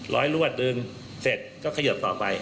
ร้อยรวดดึงเสร็จก็เขยิบต่อไป